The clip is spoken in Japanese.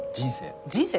人生？